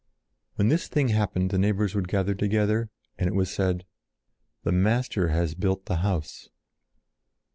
When this thing happened the neighbors would gather together and it was said: "The Master has built the house."